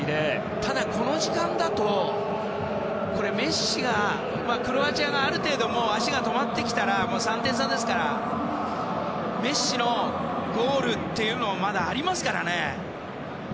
ただこの時間だとメッシがクロアチアがある程度足が止まってきたら３点差ですからメッシのゴールっていうのもまだ、ありますからね。